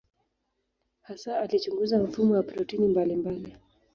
Hasa alichunguza mfumo wa protini mbalimbali.